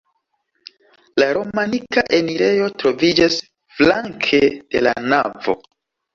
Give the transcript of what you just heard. La romanika enirejo troviĝas flanke de la navo.